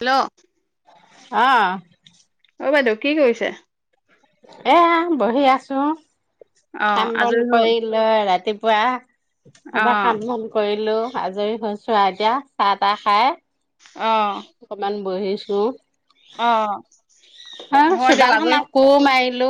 Hello আহ। অ' বাইদেউ, কি কৰিছে? এয়া, বহি আছো। অ কাম বন আজৰি হ'ল কৰি লৈ ৰাতি বেয়া। অ ভবা কাম-বন কৰিলো। আজৰি হৈছোঁ এতিয়া চাহ তাহ খাই। অ'। অকমান বহিছো। অ হা হয় চোডালখন আকৌ মাৰি হেল্ল'।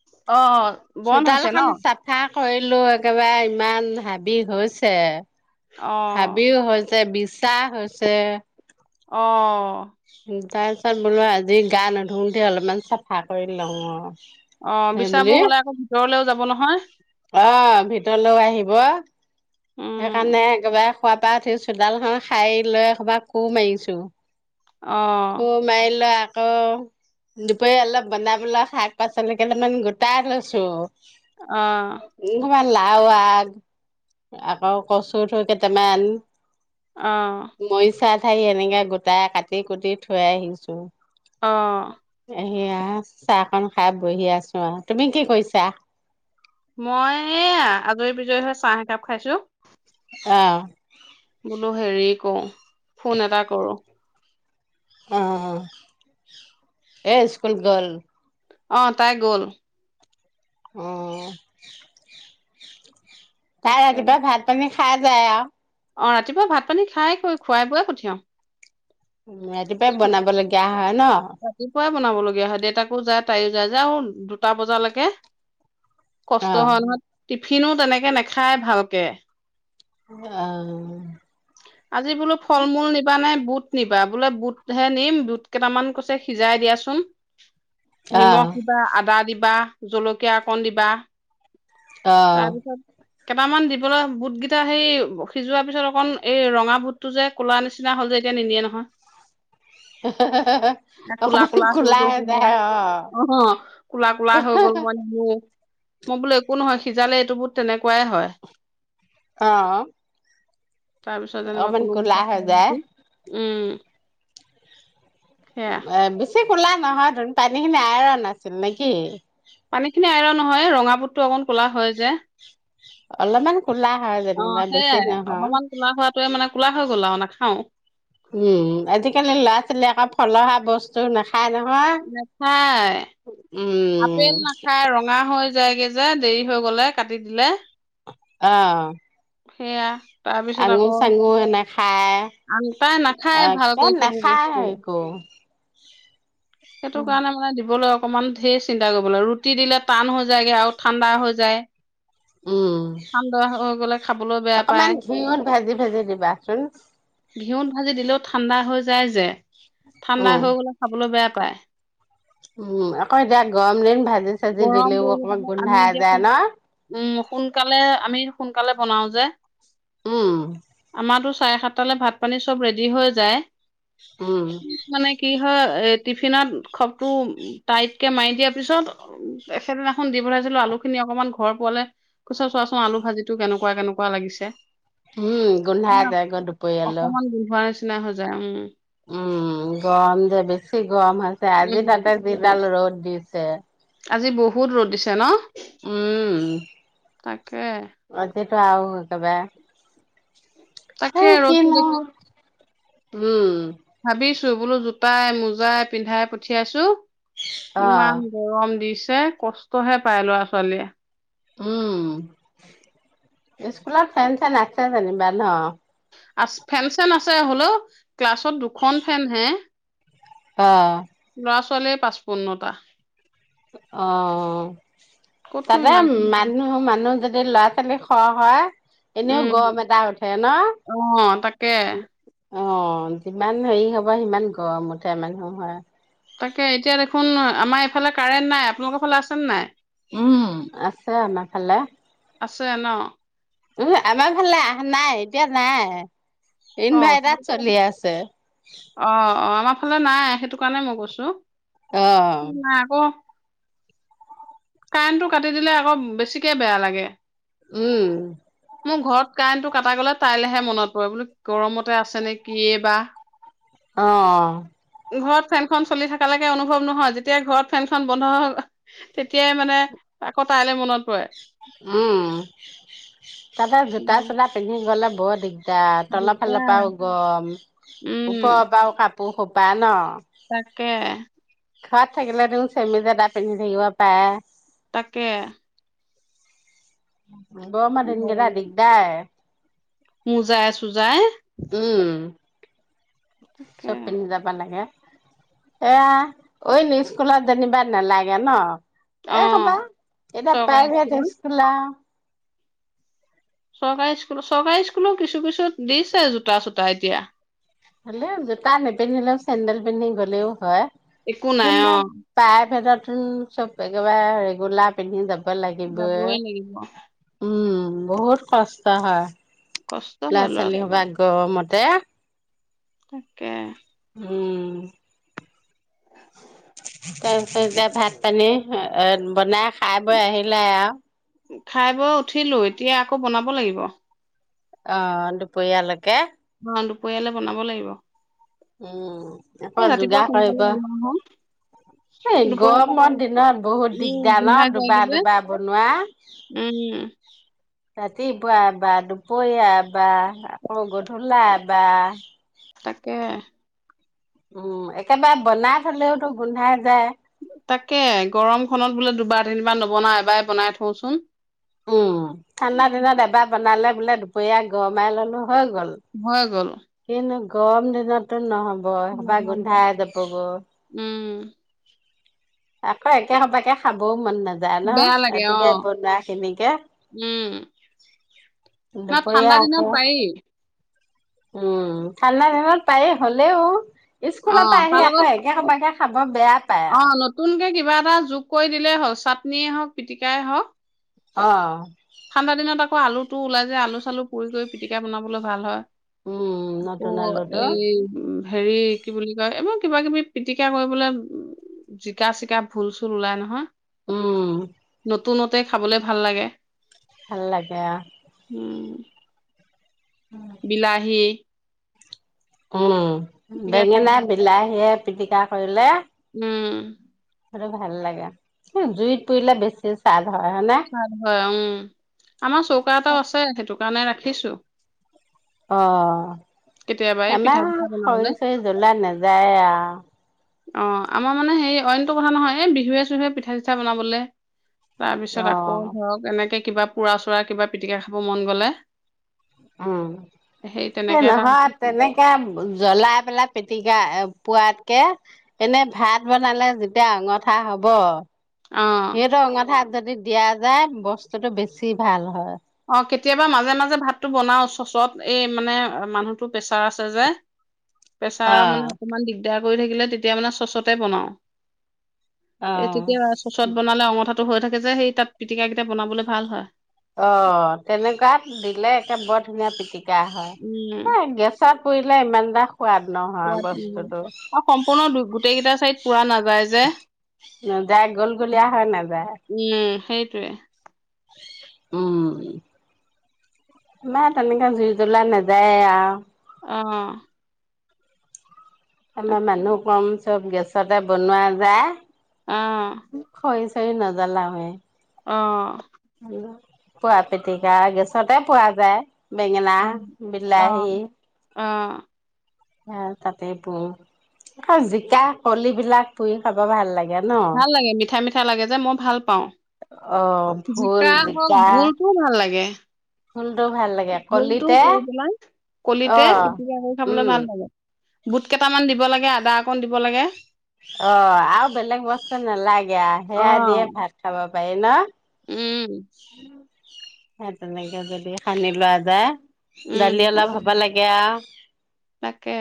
অ', অ'। বন্ধ হৈছে ন চোতালখন চাফা কৰিলোঁ একেবাৰে ইমান হাবি হৈছে। অ ভাবিও হয়। যে বিশ্বাস হৈছে অ'। [unintelligible] তাৰ পিছত বোলো আজি গা নুধোওতে অলপমান চাফা কৰি লওঁ অ'। অ সেই বুলি বিচাবোৰ হলে আকৌ ভিতৰলেও যাব নহয় অ', ভিতৰলৈ আহিব। উম সেইকাৰণে একেবাৰে শুৱা পা উঠি চোতালখন সা-ইলৈ, এসোপা কোৰ মাৰিছোঁ। অ কোৰ মাৰিলা? অ', দুপৰীয়া অলপ বনাই পেলাই শাক-পাচলি কেইটামান গোটাই থৈছো। অ'। লাওঁ আগ আকৌ কচু থৈ কেইটামান অ'। থেই এনেকে গোটাই কাটি কুটি থৈ আহিছোঁ। অ'। এইয়া চাহকন খাই বহি আছোঁ, তুমি কি কৰিছা? মই আজৰি বিজৰি হৈ চাহ একাপ খাইছোঁ। অ'। বোলো হেৰি কও, ফোন এটা কৰোঁ। অ', এ স্কুল গ'ল। অহ, তাই গ'ল। অ'। তাৰ তাকে আগতে ভাত-পানী খাই যায় আও অ', ৰাতিপুৱা ভাত পানী খাই কৈ খুৱাই বোৱাই পঠিয়াও। উম, ৰাতিপুৱাই বনাবলগীয়া হয় ন? [unintelligible] বনাবলগীয়া হয় দেউতাকো যায় তাইও যায় যে আৰু দুটা বজালৈকে কষ্ট হয় নহয়। টিফিনো তেনেকে নাখায় ভালকে। [unintelligible] আজি বোলো ফল মূল নিবানে বুট নিবা বোলে বুট হে নিম বুট কেইটামান কৈছে সিজায় দিয়াচোন। নিমখ দিবা, আদা দিব বা জলকীয়া অকণ দিবা। অ'। তাৰপিছত কেইটামান দিবলৈ বুটকেইটা সেই সিজোৱাৰ পিছত অকণ এই ৰঙা বুটটো যে ক'লা নিচিনা হ'ল যে এতিয়া নিনিয়ে নহয়। ক'লা-ক'লা হৈ গ'ল বুলি, অ' ক'লা-ক'লা হৈ গ'ল মই মই বোলো একো নহয় সিজালে এইটো বুট তেনেকুৱাই হয়। অ'। তাৰ পিছত যেনিবা কোনোমতে। [unintelligible] উম। সেয়া আ বিশেষ খোলা নহয় [unintelligible] পানী খিনি আইৰন আছিল নেকি? পানীখিনি আইৰণ হয় ৰঙা বুটটো অকন ক'লা হয় যে। অলপমান কোলা হয় অ যেনিবা বেছি সেয়াই নহয়। হল আৰু নাখাওঁ। উম, আজিকালি ল'ৰা ছোৱালী আকৌ ফলহা বস্তু নাখায় ন নাখায়, উম আপেল নাখায় ৰঙা হৈ যায়গে যে দেৰি হৈ গ'লে, কাটি দিলে। অ'। সেয়া। তাৰপিছত আকৌ আঙুৰ চাঙুৰ নেখায়, আন তাই নাখায় ভালকে এ সেইবোৰ বস্তু নাখায় একো। সেইটো কাৰণে মানে দিবলৈ অকমান ঢেৰ চিন্তা কৰিব লাগে ৰুটি দিলে টান হৈ যায়গে আৰু ঠাণ্ডা হৈ যায়। উম, ঠাণ্ডা হৈ গ'লে খাবলৈ বেয়া অকমান পায় ঘিঁউত ভাজি-ভাজি দিবাচোন। ঘিঁউত ভাঁজি দিলেও ঠাণ্ডা হৈ যায় যে। ঠাণ্ডা উম হৈ গ'লে খাবলৈ বেয়া পায়। উম আকৌ এতিয়া গৰম দিন ভাত ভাজি চাজি গৰম দিলেও পৰি গ'লে অকণমান আমি গোন্ধাই এতিয়া যায় সো- উম ন'। সোনকালে, আমি সোনকালে বনাওঁ যে। উম। আমাৰতো চাৰে সাতটালে ভাত পানী চব ৰেডি হৈ যায়। উম, মানে কি হয় এ টিফিনত খপটো টাইটকে মাৰি দিয়াৰ পিছত [unintelligible] সেদিনাখন দি পঠাইছিলো আলুখিনি অকমান ঘৰ পোৱালে, কৈছে চোৱাচোন আলু ভাজিটো কেনেকুৱা কেনেকুৱা লাগিছে। উম গোন্ধাই মানে যায় গৈ দুপৰীয়ালৈ। অকমান [unintelligible] হৈ যায় উম। উম গৰম যে বেছি গৰম হৈ আছে আজি উম তাতে যিডাল ৰ'দ। দিছে। আজি বহুত ৰ'দ দিছে ন'। উমমম, তাকে ৰাতিটো আৰু। [unintelligible] তাকে এই ৰ'দটো কিনো দেখি উম। ভাবি [unintelligible] বোলো জোতাই মোজাই পিন্ধাই পঠিয়াইছো। অ', ইমান গৰম দিছ যে কষ্টহে পায় ল'ৰা ছোৱালীয়ে। উমম, স্কুলত ফেন চেন আছে যেনিবা ন'! আ ফেন চেন আছে হলেও ক্লাছত দুখন ফেন হে অ'। ল'ৰা ছোৱালীয়ে পাঁচপোন্নটা। অ'-অ'। ক'তনো তাতে ইমান খিনি মানুহ-মানুহ যা যদি ল'ৰা ছোৱালী সৰহ হয় এনেও উম গৰম এটা উঠে ন'! অ তাকে অ', যিমান হেৰি হ'ব সিমান গৰম উঠে মানুহ তাকে এতিয়া দেখোন আমাৰ এইফালে কাৰেণ্ট নাই, আপোনালোকৰ ফালে আছে নে নাই? আছে আমাৰ আছে ন'। উ আমাৰ ফালে আহা নাই, এতিয়া নাই। অ ইনভাইতাৰাত চলি আছে। অ [unintelligible] নাই সেইটো কাৰণে মই কৈছোঁ। অ' [unintelligible] কাৰেণ্টটো কাটি দিলে আকৌ বেছিকে বেয়া লাগে। উম। মোৰ ঘৰত কাৰেণ্টটো কটা গলে তাইলেহে মনত পৰে বোলো গৰমতে আছে নে কি এ বা। অ'। ঘৰত ফেনখন চলি থাকালৈকে অনুভৱ নহয় যেতিয়াই ঘৰত ফেনখন বন্ধ হৈল তেতিয়াই মানে আকৌ তাইলৈ মনত পৰে। উম তাতে জোতা চোতা পিন্ধি গ'লে বৰ দিগ এতিয়া তলৰ ফালৰ দিগদাৰ। পৰাও গৰম উম ওপৰ পাও কাপ পোহোপা ন তাকে। ঘৰত থাকিলেটো চেমিজ এটা পিন্ধি থাকিব পাৰে। তাকে। উম। গৰমৰ দিন কেইটা গৰম দিগদাৰ। মোজাই সোজাই উম। তাকে চব পিন্ধি যাবা লাগে। এয়া, অইন স্কুলত যেনিবা নেলাগে ন'? অ এই সোপা এতিয়া চৰকাৰী প্ৰাইভেট স্কুলত স্কুল আ চৰকাৰী স্কুল, চৰকাৰী স্কুলো কিছু-কিছু দিছে জোতা চোতা এতিয়া। হ'লেও জোতা নেপিন্ধিলেও চেন্দেল পিন্ধি গ'লেও হয়। একো নাই অ [unintelligible] উম, চব একেবাৰে ৰেগুলা পিন্ধি যা [unintelligible] লাগিবই যাবই লাগিব উম। বহুত কষ্ট হয়। কষ্ট হয় ল'ৰা ল'ৰা-ছোৱালী ছোৱালী সোপা গৰমত এহ্ তাকে। উম। তাৰ পিছত এতিয়া ভাত পানী এ বনাই খাই বৈ আহিলে আৰু খাই বৈ উঠিলোঁ এতিয়া আকৌ বনাব লাগিব। অ', দুপৰীয়ালৈকে। অ', দুপৰীয়ালে বনাব লাগিব। উম, এ আকৌ ৰাতিপুৱা যোগাৰ সোনকালে কৰিব। বনোৱা হয় এই দুপৰীয়া অকণ গৰমৰ দিনত বহুত উম দিগদাৰ ন গোন্ধাই যায়গে দুবা যে দুবা বনোৱা। উম ৰাতিপুৱা বা দুপৰীয়া বা আকৌ গধূলা বা তাকে। উম, একেবাৰে বনাই থলেওতো গোন্ধাই যায়। তাকে, গৰম খনত বোলে দুবাৰ তিনিবাৰ নবনাও এবাৰে বনাই থওঁচোন। উম, ঠাণ্ডা দিনত এবাৰ বনালে বোলে দুপৰীয়া গৰমাই ল'লো হয় গ'ল। হৈ গ'ল। কিন্তু গৰম দিনতো নহ [unintelligible] সেইসোপা নহ'লে গোন্ধাই যাবগৈ। উম আকৌ একে সপাকে খাব মন নাযায় বেয়া নহ, লাগে অ ৰাতিপুৱাই বনোৱাখিনিকে। উম ন দুপৰীয়া ঠাণ্ডা দিনত আকৌ পাৰি উম, ঠাণ্ডা দিনত পাৰি হ'লেও অ স্কুলৰ পৰা তাৰ আহি লগত আকৌ একে সপাকে খাব বেয়া পায় আৰু অ', নতুনকে কিবা এটা যোগ কৰি দিলে হ'ল, চাট টনিয়ে হওঁক, পিটিকাই হওঁক। অ'। ঠাণ্ডা দিনত আকৌ আলুটো ওলাই যে, আলু চালু পুৰি কৰি পিটিকা বনাবলৈ ভাল হয়। উম নতুন [unintelligible] আলুটো এই, উম। হেৰি, কি বুলি কয়, এইবোৰ কিবা কিবি পিটিকা কৰিবলৈ জিকা-চিকা, ভুল-চুল ওলাই নহয়। উম। নতুনতে খাবলে ভাল লাগে। ভাল লাগে। উম, বিলাহী অ' পিটিকা খাই বেঙেনা বিলাহী পিটিকা কৰিলে উম। আৰু ভাল লাগে, জুইত পুৰিলে বেছি চা হয়, হয়, উম, আমাৰ চৌকা এটাও আছে সেইটোক নে ৰাখিছোঁ অ', এই পিঠা আমাৰ চিঠা বনাবলে খৰি চৰি জ্বলা নাযায় আওঁ অ', আমাৰ মানে হেৰি অইনতটো কথা নহয় এই বিহুৱে চহুৱে পিঠা চিঠা বনাবলে তাৰপিছত আক আকৌ অ' ধৰক এনেকে কিবা পুৰা চোৰা কিবা পিটিকা খাব মন গ'লে উম, সেই তেনেকে এটা নহয় ৰাখিছো তেনেকে জ্বলাই পেলাই পি তিকা এ, পোৱাতকে, এনে ভাত বনালে যেতিয়া অঙঠা হ'ব অ'। হেইটো অঙঠাত যদ [unintelligible] দিয়া যায়, বস্তুটো বেছি ভাল হয়। অ, কেতিয়াবা মাজে মাজে ভাতটো বনাওঁ চচত, এই মানে মানুহটোৰ প্ৰেছাৰ আছে যে। প্ৰেচাৰ মানে অ', অকমান দিগ দাৰ কৰি থাকিলে তেতিয়া মানে চচতে বনাওঁ। এ, অ'। তেতিয়া চচত বনালে অঙঠাত হৈ থাকে যে হেই তাত পিটিকা কেইটা বনাবলৈ ভাল হয়। অ, তেনেকুৱাত দিলে একে বৰ ধুনীয়া পিটিক কা হয়, এই গেছত পুই [unintelligible] [unintelligible] অ, সম্পূৰ্ণ দু-গোটেইকেইটা চাইদ পোৰা নাযায় যে। নাযায় উম, গোলগুলীয়া হৈ নাযায়। সেই তোৱে। উম, আমাৰ তেনেকা জুই জ্বলা নাযায় আউ। অ আমা তাকে মানুহ কম চব গেছতে বনোৱা যায়। অ। [unintelligible] নজলাওঁ এ। অ। পোৱা পিটিকা গেছতে পোৱা যায়। বেঙেনা, অ বিলাহী অ হেয়া তাতে পো। আকৌ জিকা কলিবিলাক পুই খাব ভাল লাগে। ন ভাল লাগে মিঠা মিঠ [unintelligible] লাগে যে, মই ভাল পাওঁ। অ ভোল জিকা হওঁক, ভোলটোও ভাল লাগে। ভোলটো ভাল লাগে ভোলটো কলিতে পুৰি পেলাই, অ কলিতে পিটিকা কৰি খাবলৈ উম ভাল লাগে, বুট কেটামান দিব লাগ এ আদা অকণ দিব লাগে অ, আউ বেলেগ বস্তু নেলাগেআ অ হেয়া দিয়ে ভাত খাব পাই না উম। হেয়া তেনেকে যদি সানি লোৱা যায় দালি উম অলপ হ'ব লাগ [unintelligible] তাকে।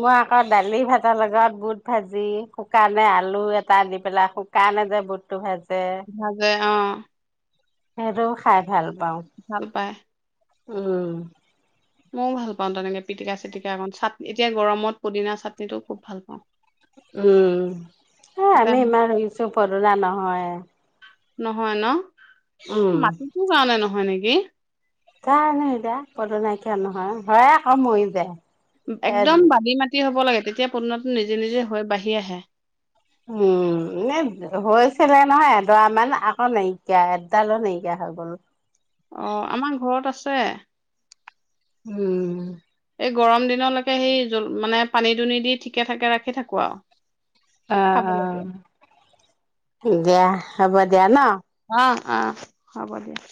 মই আকৌ দালি ভাতৰ লগত বুট ভাজি, শুকানে আলু এটা দি পেলাই, শুকানে যে বুটটো ভাজ ভাজে অ সেইটো খাই ভাল পাওঁ ভাল পায়। উম। মইও ভাল পাওঁ তেনেকে পিটিকা চিটিকা অকণ চাট এতিয়া গৰমত পুদিনা চাটনিটো খুব ভাল পাওঁ। উম এ তাতে আমি ইমান ৰুইছো পদুণা নহয়। নহয় উম ন। মাটিটোও কাৰণে নহয় নেক কি জানো এতিয়া পদিনা কিয়া নহয় হয় আকৌ মৰি যায়। এ একদম বাটি মাটি হ'ব লাগে। এতিয়া পুদনাটো নিজে নিজে হৈ বাঢ়ি আহে। উম নেদ হৈছিলে নহয় এডৰা মান আকৌ নাইকিয়া এডালো নাইকিয়া হৈ গ'ল। অ আমাৰ ঘৰত আছে। উম। এই গৰম দিনলৈকে সেই জ মানে পানী দুনি দি ঠিকে ঠাকে ৰাখি থাকো আৰু খাবলৈকে আহ অ' দিয়া। হ'ব দিয়া ন। অ অ হ'ব দিয়া।